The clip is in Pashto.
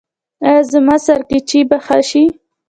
ایا زما سرگیچي به ښه شي؟